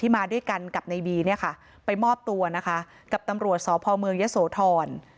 มาด้วยกันกับในบีเนี่ยค่ะไปมอบตัวนะคะกับตำรวจสพเมืองยะโสธร